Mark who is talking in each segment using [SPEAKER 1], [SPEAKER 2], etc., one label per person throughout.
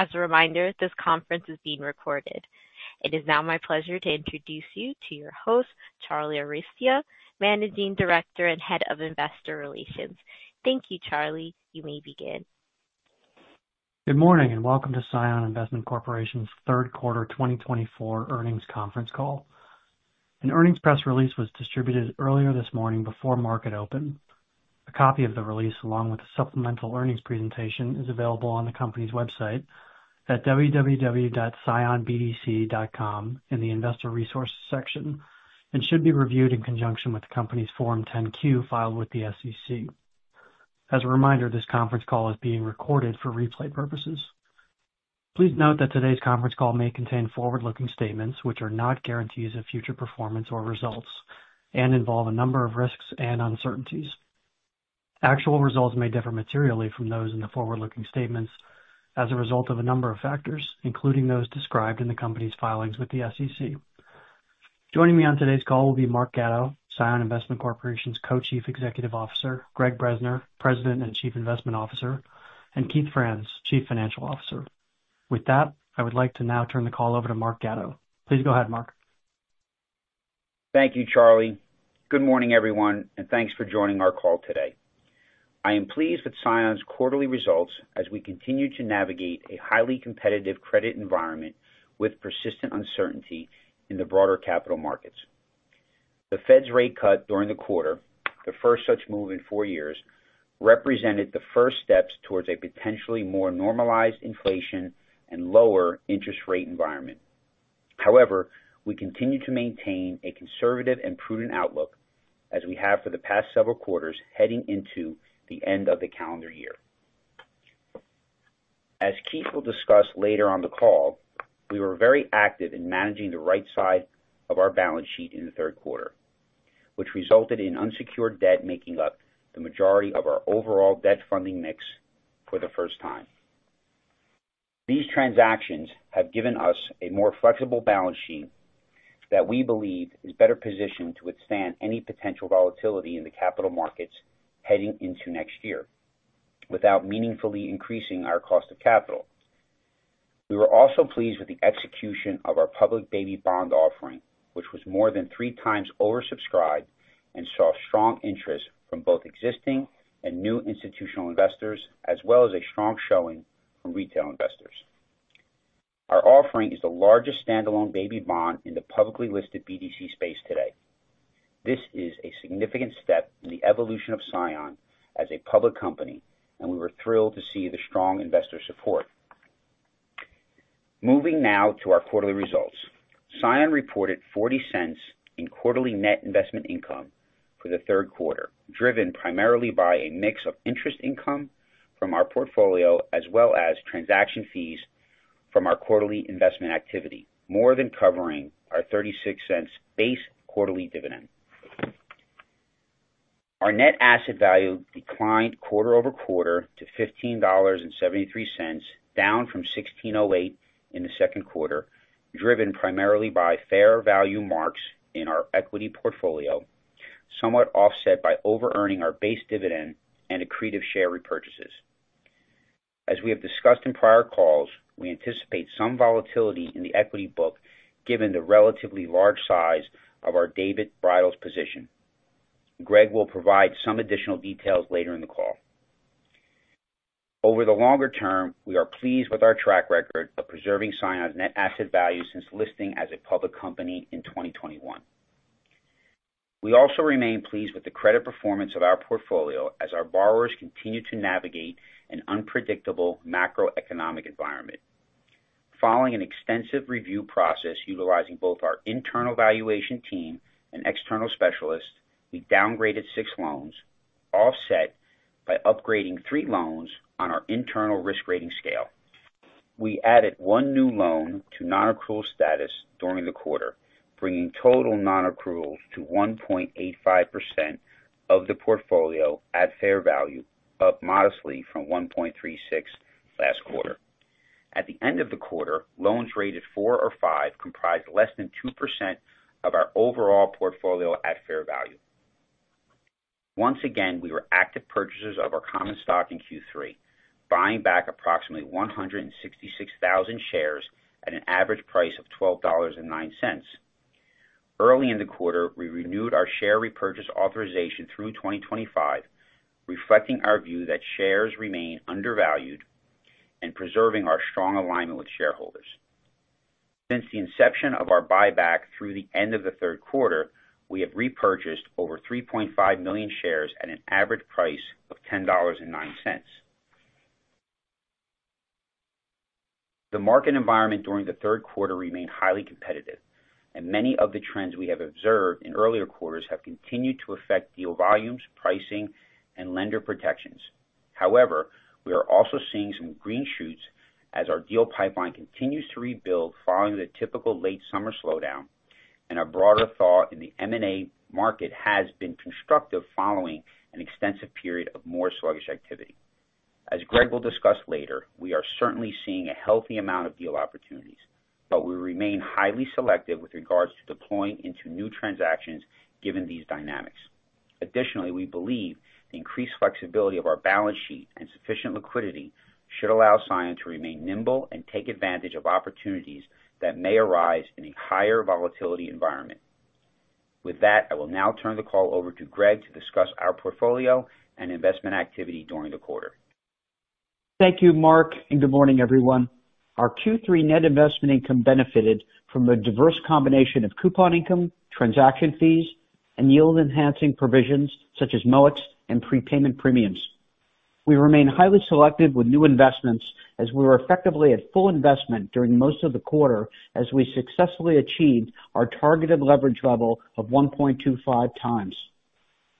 [SPEAKER 1] As a reminder, this conference is being recorded. It is now my pleasure to introduce you to your host, Charlie Arestia, Managing Director and Head of Investor Relations. Thank you, Charlie. You may begin.
[SPEAKER 2] Good morning and welcome to CION Investment Corporation's third quarter 2024 earnings conference call. An earnings press release was distributed earlier this morning before market open. A copy of the release, along with a supplemental earnings presentation, is available on the company's website at www.cionbdc.com in the Investor Resources section and should be reviewed in conjunction with the company's Form 10-Q filed with the SEC. As a reminder, this conference call is being recorded for replay purposes. Please note that today's conference call may contain forward-looking statements which are not guarantees of future performance or results and involve a number of risks and uncertainties. Actual results may differ materially from those in the forward-looking statements as a result of a number of factors, including those described in the company's filings with the SEC. Joining me on today's call will be Mark Gatto, CION Investment Corporation's Co-Chief Executive Officer, Gregg Bresner, President and Chief Investment Officer, and Keith Franz, Chief Financial Officer. With that, I would like to now turn the call over to Mark Gatto. Please go ahead, Mark.
[SPEAKER 3] Thank you, Charlie. Good morning, everyone, and thanks for joining our call today. I am pleased with Cion's quarterly results as we continue to navigate a highly competitive credit environment with persistent uncertainty in the broader capital markets. The Fed's rate cut during the quarter, the first such move in four years, represented the first steps towards a potentially more normalized inflation and lower interest rate environment. However, we continue to maintain a conservative and prudent outlook as we have for the past several quarters heading into the end of the calendar year. As Keith will discuss later on the call, we were very active in managing the right side of our balance sheet in the third quarter, which resulted in unsecured debt making up the majority of our overall debt funding mix for the first time. These transactions have given us a more flexible balance sheet that we believe is better positioned to withstand any potential volatility in the capital markets heading into next year without meaningfully increasing our cost of capital. We were also pleased with the execution of our public baby bond offering, which was more than three times oversubscribed and saw strong interest from both existing and new institutional investors, as well as a strong showing from retail investors. Our offering is the largest standalone baby Bond in the publicly listed BDC space today. This is a significant step in the evolution of CION as a public company, and we were thrilled to see the strong investor support. Moving now to our quarterly results, Cion reported $0.40 in quarterly net investment income for the third quarter, driven primarily by a mix of interest income from our portfolio as well as transaction fees from our quarterly investment activity, more than covering our $0.36 base quarterly dividend. Our net asset value declined quarter over quarter to $15.73, down from $16.08 in the second quarter, driven primarily by fair value marks in our equity portfolio, somewhat offset by over-earning our base dividend and accretive share repurchases. As we have discussed in prior calls, we anticipate some volatility in the equity book given the relatively large size of our David's Bridal position. Gregg will provide some additional details later in the call. Over the longer term, we are pleased with our track record of preserving Cion's net asset value since listing as a public company in 2021. We also remain pleased with the credit performance of our portfolio as our borrowers continue to navigate an unpredictable macroeconomic environment. Following an extensive review process utilizing both our internal valuation team and external specialists, we downgraded six loans, offset by upgrading three loans on our internal risk rating scale. We added one new loan to non-accrual status during the quarter, bringing total non-accruals to 1.85% of the portfolio at fair value, up modestly from 1.36 last quarter. At the end of the quarter, loans rated four or five comprised less than 2% of our overall portfolio at fair value. Once again, we were active purchasers of our common stock in Q3, buying back approximately 166,000 shares at an average price of $12.09. Early in the quarter, we renewed our share repurchase authorization through 2025, reflecting our view that shares remain undervalued and preserving our strong alignment with shareholders. Since the inception of our buyback through the end of the third quarter, we have repurchased over 3.5 million shares at an average price of $10.09. The market environment during the third quarter remained highly competitive, and many of the trends we have observed in earlier quarters have continued to affect deal volumes, pricing, and lender protections. However, we are also seeing some green shoots as our deal pipeline continues to rebuild following the typical late summer slowdown, and our broader thought in the M&A market has been constructive following an extensive period of more sluggish activity. As Gregg will discuss later, we are certainly seeing a healthy amount of deal opportunities, but we remain highly selective with regards to deploying into new transactions given these dynamics. Additionally, we believe the increased flexibility of our balance sheet and sufficient liquidity should allow Cion to remain nimble and take advantage of opportunities that may arise in a higher volatility environment. With that, I will now turn the call over to Gregg to discuss our portfolio and investment activity during the quarter.
[SPEAKER 4] Thank you, Mark, and good morning, everyone. Our Q3 net investment income benefited from a diverse combination of coupon income, transaction fees, and yield-enhancing provisions such as MOICs and prepayment premiums. We remain highly selective with new investments as we were effectively at full investment during most of the quarter as we successfully achieved our targeted leverage level of 1.25 times.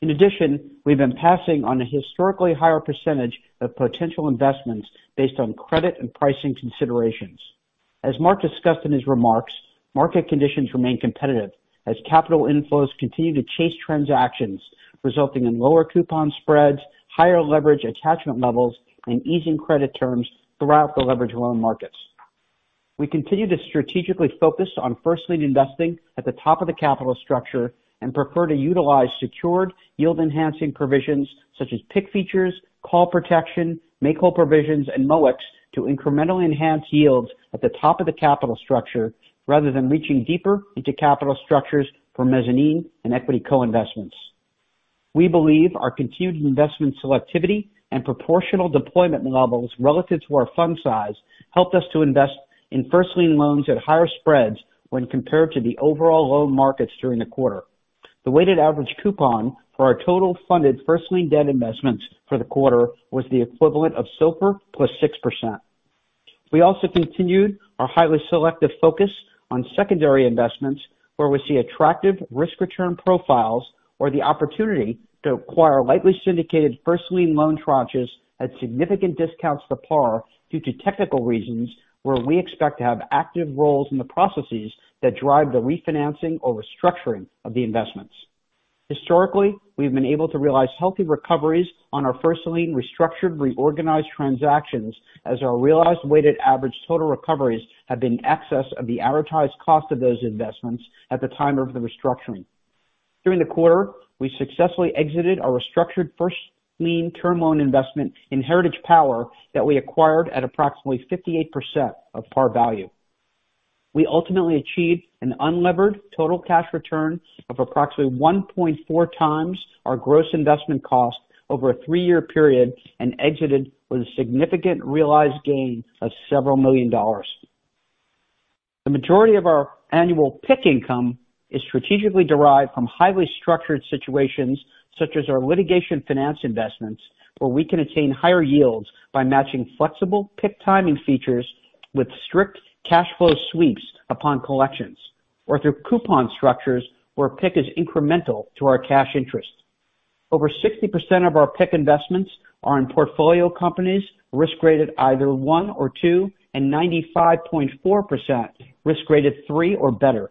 [SPEAKER 4] In addition, we've been passing on a historically higher percentage of potential investments based on credit and pricing considerations. As Mark discussed in his remarks, market conditions remain competitive as capital inflows continue to chase transactions, resulting in lower coupon spreads, higher leverage attachment levels, and easing credit terms throughout the leveraged loan markets. We continue to strategically focus on first-lien investing at the top of the capital structure and prefer to utilize secured yield-enhancing provisions such as PIK features, call protection, make-whole provisions, and MOICs to incrementally enhance yields at the top of the capital structure rather than reaching deeper into capital structures for mezzanine and equity co-investments. We believe our continued investment selectivity and proportional deployment levels relative to our fund size helped us to invest in first-lien loans at higher spreads when compared to the overall loan markets during the quarter. The weighted average coupon for our total funded first-lien debt investments for the quarter was the equivalent of SOFR plus 6%. We also continued our highly selective focus on secondary investments where we see attractive risk-return profiles or the opportunity to acquire lightly syndicated first-lien loan tranches at significant discounts to par due to technical reasons where we expect to have active roles in the processes that drive the refinancing or restructuring of the investments. Historically, we've been able to realize healthy recoveries on our first-lien restructured reorganized transactions as our realized weighted average total recoveries have been in excess of the advertised cost of those investments at the time of the restructuring. During the quarter, we successfully exited our restructured first-lien term loan investment in Heritage Power that we acquired at approximately 58% of par value. We ultimately achieved an unlevered total cash return of approximately 1.4 times our gross investment cost over a three-year period and exited with a significant realized gain of several million dollars. The majority of our annual PIK income is strategically derived from highly structured situations such as our litigation finance investments where we can attain higher yields by matching flexible PIK timing features with strict cash flow sweeps upon collections or through coupon structures where PIK is incremental to our cash interest. Over 60% of our PIK investments are in portfolio companies risk-rated either one or two and 95.4% risk-rated three or better.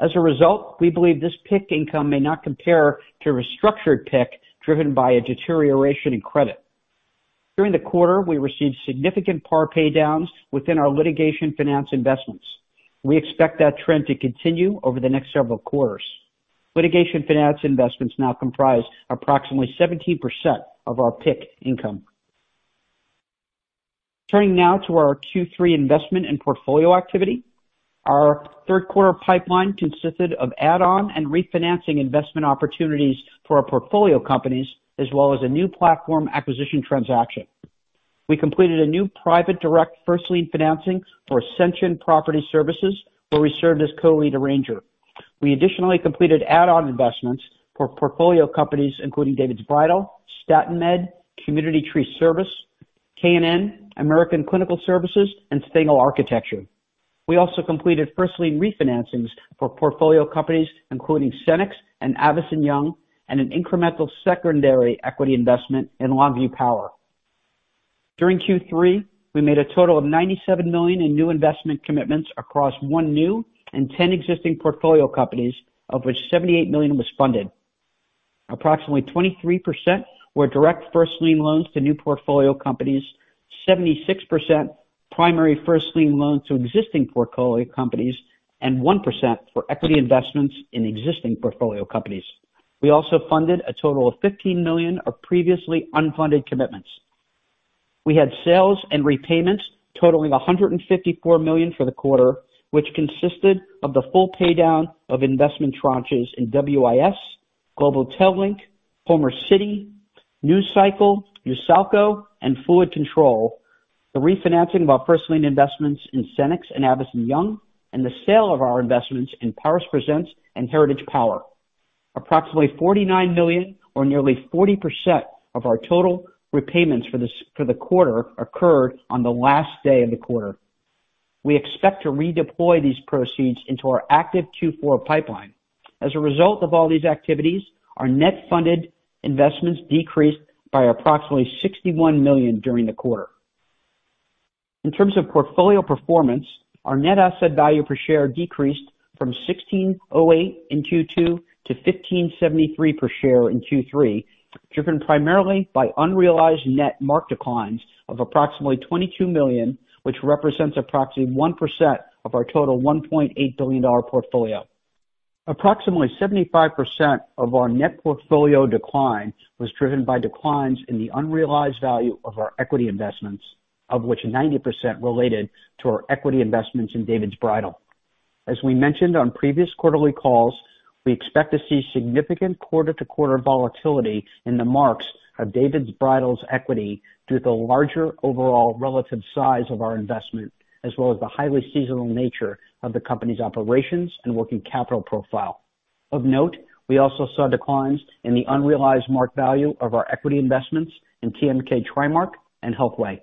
[SPEAKER 4] As a result, we believe this PIK income may not compare to restructured PIK driven by a deterioration in credit. During the quarter, we received significant par paydowns within our litigation finance investments. We expect that trend to continue over the next several quarters. Litigation finance investments now comprise approximately 17% of our PIK income. Turning now to our Q3 investment and portfolio activity, our third quarter pipeline consisted of add-on and refinancing investment opportunities for our portfolio companies as well as a new platform acquisition transaction. We completed a new private direct first-lien financing for Ascension Property Services where we served as co-lead arranger. We additionally completed add-on investments for portfolio companies including David's Bridal, StayinFront, Community Tree Service, K&N, American Clinical Solutions, and Stengel Hill Architecture. We also completed first-lien refinancings for portfolio companies including Cennox and Avison Young and an incremental secondary equity investment in Longview Power. During Q3, we made a total of $97 million in new investment commitments across one new and 10 existing portfolio companies, of which $78 million was funded. Approximately 23% were direct first-lien loans to new portfolio companies, 76% primary first-lien loans to existing portfolio companies, and 1% for equity investments in existing portfolio companies. We also funded a total of $15 million of previously unfunded commitments. We had sales and repayments totaling $154 million for the quarter, which consisted of the full paydown of investment tranches in WIS, Global Tel*Link, Homer City, Newscycle, USALCO, and Flow Control, the refinancing of our first-lien investments in Cennox and Avison Young, and the sale of our investments in Paris Presents and Heritage Power. Approximately $49 million, or nearly 40%, of our total repayments for the quarter occurred on the last day of the quarter. We expect to redeploy these proceeds into our active Q4 pipeline. As a result of all these activities, our net funded investments decreased by approximately $61 million during the quarter. In terms of portfolio performance, our net asset value per share decreased from 16.08 in Q2 to 15.73 per share in Q3, driven primarily by unrealized net market declines of approximately $22 million, which represents approximately 1% of our total $1.8 billion portfolio. Approximately 75% of our net portfolio decline was driven by declines in the unrealized value of our equity investments, of which 90% related to our equity investments in David's Bridal. As we mentioned on previous quarterly calls, we expect to see significant quarter-to-quarter volatility in the marks of David's Bridal's equity due to the larger overall relative size of our investment, as well as the highly seasonal nature of the company's operations and working capital profile. Of note, we also saw declines in the unrealized market value of our equity investments in TriMark and HealthWay.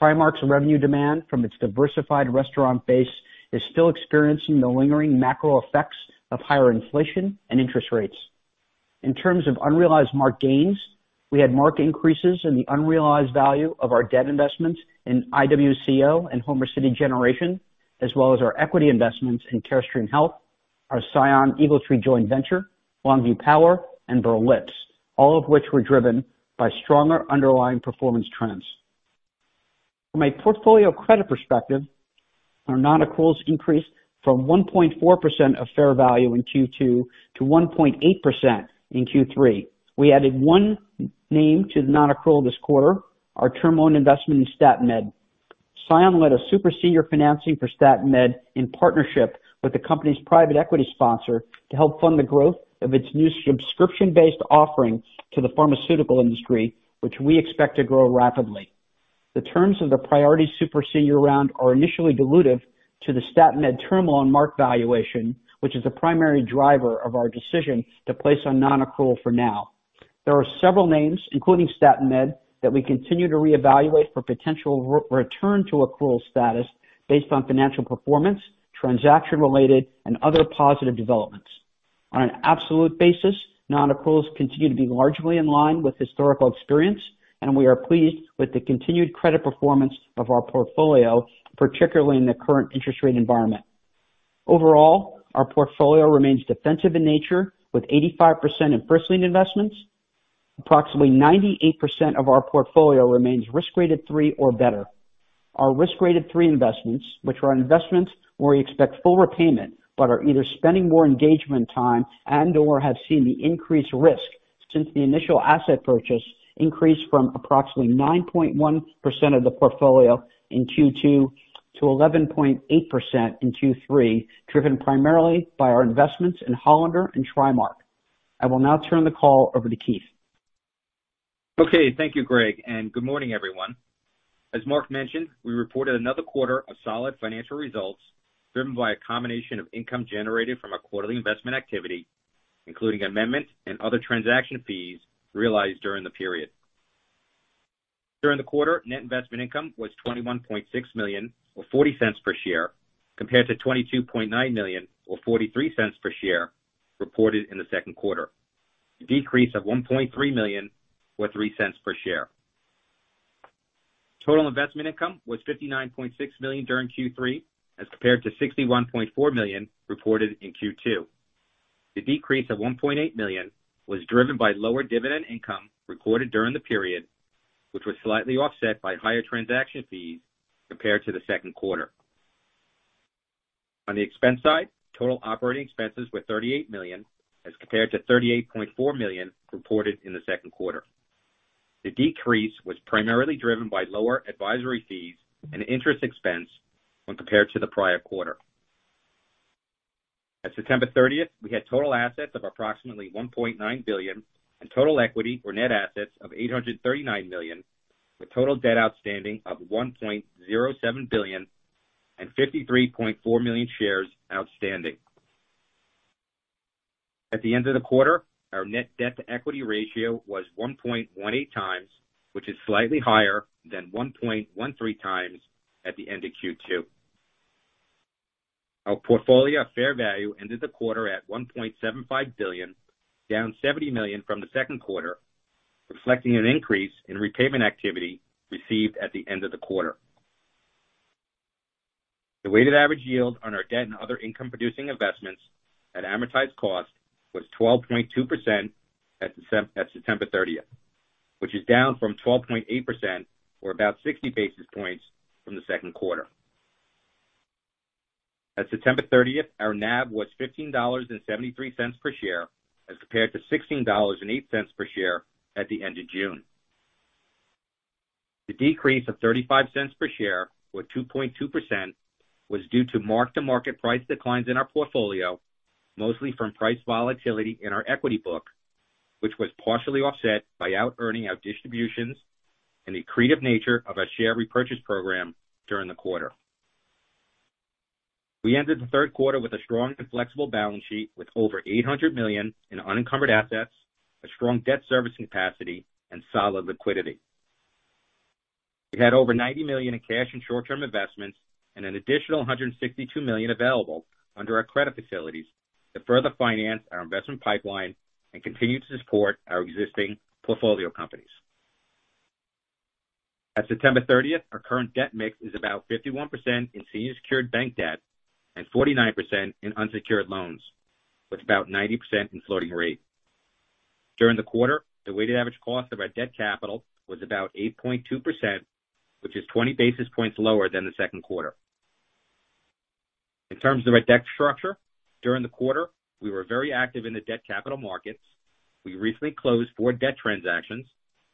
[SPEAKER 4] TriMark's revenue demand from its diversified restaurant base is still experiencing the lingering macro effects of higher inflation and interest rates. In terms of unrealized market gains, we had marked increases in the unrealized value of our debt investments in IWCO and Homer City Generation, as well as our equity investments in Carestream Health, our CION EagleTree Joint Venture, Longview Power, and Barrell Craft Spirits, all of which were driven by stronger underlying performance trends. From a portfolio credit perspective, our non-accruals increased from 1.4% of fair value in Q2 to 1.8% in Q3. We added one name to the non-accrual this quarter, our term loan investment in Staten Med. Cion led a super senior financing for Staten Med in partnership with the company's private equity sponsor to help fund the growth of its new subscription-based offering to the pharmaceutical industry, which we expect to grow rapidly. The terms of the priority super senior round are initially dilutive to the Staten Med term loan market valuation, which is the primary driver of our decision to place on non-accrual for now. There are several names, including Staten Med, that we continue to reevaluate for potential return to accrual status based on financial performance, transaction-related, and other positive developments. On an absolute basis, non-accruals continue to be largely in line with historical experience, and we are pleased with the continued credit performance of our portfolio, particularly in the current interest rate environment. Overall, our portfolio remains defensive in nature with 85% in first-lien investments. Approximately 98% of our portfolio remains risk-rated three or better. Our risk-rated three investments, which are investments where we expect full repayment but are either spending more engagement time and/or have seen the increased risk since the initial asset purchase increased from approximately 9.1% of the portfolio in Q2 to 11.8% in Q3, driven primarily by our investments in Hollander and TriMark. I will now turn the call over to Keith.
[SPEAKER 5] Okay. Thank you, Gregg, and good morning, everyone. As Mark mentioned, we reported another quarter of solid financial results driven by a combination of income generated from our quarterly investment activity, including amendments and other transaction fees realized during the period. During the quarter, net investment income was $21.6 million or $0.40 per share compared to $22.9 million or $0.43 per share reported in the second quarter, a decrease of $1.3 million or $0.03 per share. Total investment income was $59.6 million during Q3 as compared to $61.4 million reported in Q2. The decrease of $1.8 million was driven by lower dividend income recorded during the period, which was slightly offset by higher transaction fees compared to the second quarter. On the expense side, total operating expenses were $38 million as compared to $38.4 million reported in the second quarter. The decrease was primarily driven by lower advisory fees and interest expense when compared to the prior quarter. At September 30th, we had total assets of approximately $1.9 billion and total equity or net assets of $839 million, with total debt outstanding of $1.07 billion and 53.4 million shares outstanding. At the end of the quarter, our net debt-to-equity ratio was 1.18 times, which is slightly higher than 1.13 times at the end of Q2. Our portfolio fair value ended the quarter at $1.75 billion, down $70 million from the second quarter, reflecting an increase in repayment activity received at the end of the quarter. The weighted average yield on our debt and other income-producing investments at amortized cost was 12.2% at September 30th, which is down from 12.8% or about 60 basis points from the second quarter. At September 30th, our NAV was $15.73 per share as compared to $16.08 per share at the end of June. The decrease of $0.35 per share or 2.2% was due to mark-to-market price declines in our portfolio, mostly from price volatility in our equity book, which was partially offset by out-earning our distributions and the creative nature of our share repurchase program during the quarter. We ended the third quarter with a strong and flexible balance sheet with over $800 million in unencumbered assets, a strong debt service capacity, and solid liquidity. We had over $90 million in cash and short-term investments and an additional $162 million available under our credit facilities to further finance our investment pipeline and continue to support our existing portfolio companies. At September 30th, our current debt mix is about 51% in senior secured bank debt and 49% in unsecured loans, with about 90% in floating rate. During the quarter, the weighted average cost of our debt capital was about 8.2%, which is 20 basis points lower than the second quarter. In terms of our debt structure, during the quarter, we were very active in the debt capital markets. We recently closed four debt transactions,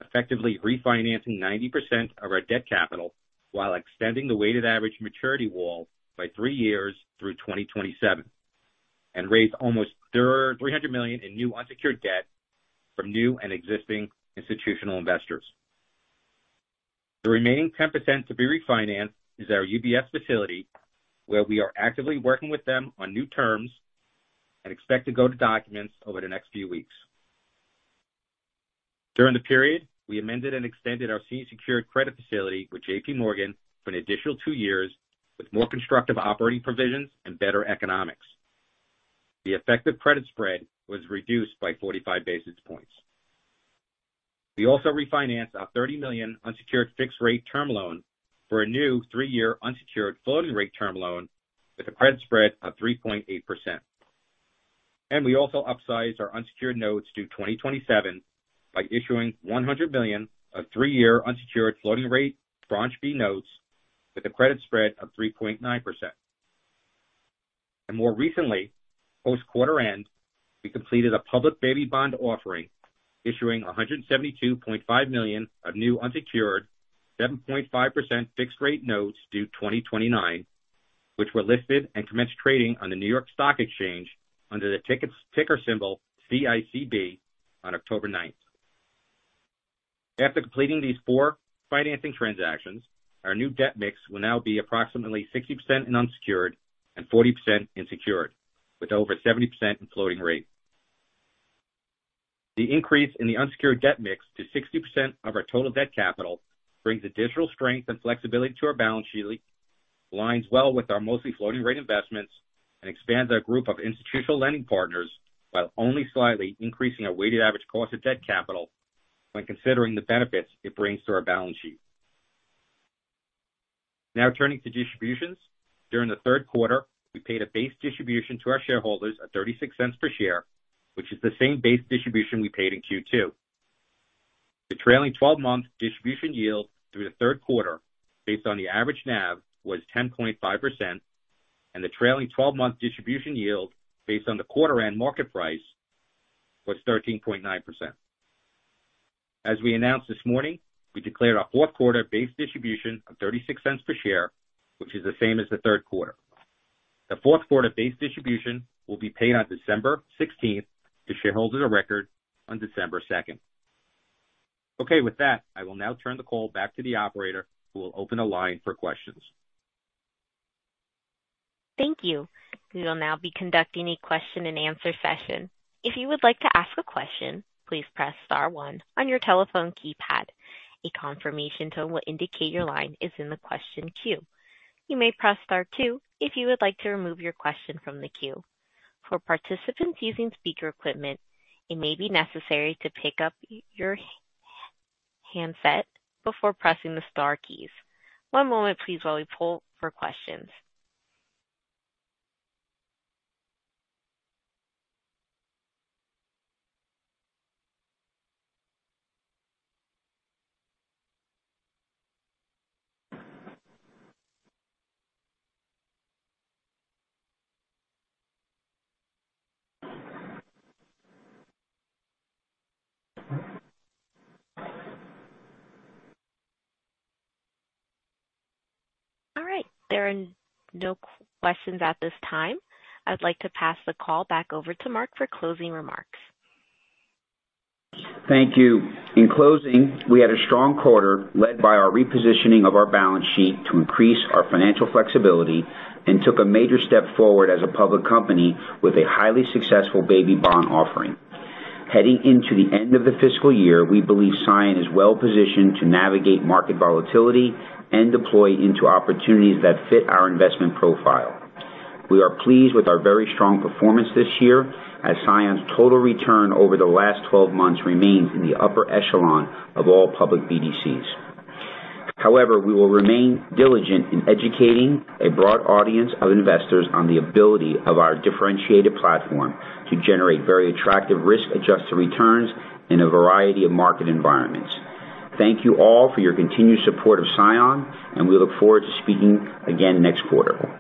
[SPEAKER 5] effectively refinancing 90% of our debt capital while extending the weighted average maturity wall by three years through 2027 and raised almost $300 million in new unsecured debt from new and existing institutional investors. The remaining 10% to be refinanced is our UBS facility, where we are actively working with them on new terms and expect to go to documents over the next few weeks. During the period, we amended and extended our senior secured credit facility with J.P. Morgan for an additional two years with more constructive operating provisions and better economics. The effective credit spread was reduced by 45 basis points. We also refinanced our $30 million unsecured fixed-rate term loan for a new three-year unsecured floating-rate term loan with a credit spread of 3.8%. And we also upsized our unsecured notes due 2027 by issuing $100 million of three-year unsecured floating-rate Tranche B notes with a credit spread of 3.9%. And more recently, post-quarter end, we completed a public baby bond offering issuing $172.5 million of new unsecured 7.5% fixed-rate notes due 2029, which were listed and commenced trading on the New York Stock Exchange under the ticker symbol CICB on October 9th. After completing these four financing transactions, our new debt mix will now be approximately 60% in unsecured and 40% in secured, with over 70% in floating rate. The increase in the unsecured debt mix to 60% of our total debt capital brings additional strength and flexibility to our balance sheet, aligns well with our mostly floating-rate investments, and expands our group of institutional lending partners while only slightly increasing our weighted average cost of debt capital when considering the benefits it brings to our balance sheet. Now turning to distributions, during the third quarter, we paid a base distribution to our shareholders of $0.36 per share, which is the same base distribution we paid in Q2. The trailing 12-month distribution yield through the third quarter based on the average NAV was 10.5%, and the trailing 12-month distribution yield based on the quarter-end market price was 13.9%. As we announced this morning, we declared our fourth quarter base distribution of $0.36 per share, which is the same as the third quarter. The fourth quarter base distribution will be paid on December 16th to shareholders of record on December 2nd. Okay. With that, I will now turn the call back to the operator who will open a line for questions.
[SPEAKER 1] Thank you. We will now be conducting a question-and-answer session. If you would like to ask a question, please press star one on your telephone keypad. A confirmation tone will indicate your line is in the question queue. You may press star two if you would like to remove your question from the queue. For participants using speaker equipment, it may be necessary to pick up your handset before pressing the star keys. One moment, please, while we pull for questions. All right. There are no questions at this time. I'd like to pass the call back over to Mark for closing remarks.
[SPEAKER 3] Thank you. In closing, we had a strong quarter led by our repositioning of our balance sheet to increase our financial flexibility and took a major step forward as a public company with a highly successful Baby Bond offering. Heading into the end of the fiscal year, we believe Cion is well-positioned to navigate market volatility and deploy into opportunities that fit our investment profile. We are pleased with our very strong performance this year as Cion's total return over the last 12 months remains in the upper echelon of all public BDCs. However, we will remain diligent in educating a broad audience of investors on the ability of our differentiated platform to generate very attractive risk-adjusted returns in a variety of market environments. Thank you all for your continued support of Cion, and we look forward to speaking again next quarter.